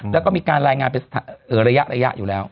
แล้วก็มีการรายงานเป็นระยะอยู่แล้ว